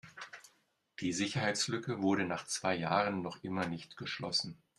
Die Sicherheitslücke wurde nach zwei Jahren noch immer nicht geschlossen.